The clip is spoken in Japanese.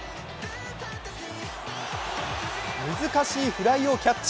難しいフライをキャッチ。